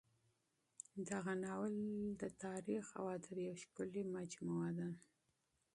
دغه ناول د تاریخ او ادب یوه ښکلې مجموعه ده.